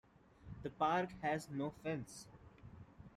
The park has no fence.